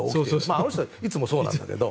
あの人はいつもそうなんだけど。